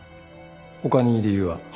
他に理由は？他？